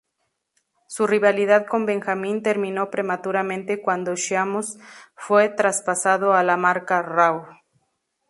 Su rivalidad con Benjamin terminó prematuramente cuando Sheamus fue traspasado a la marca Raw.